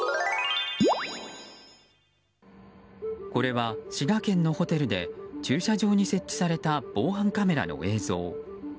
これは滋賀県のホテルで駐車場に設置された防犯カメラの映像。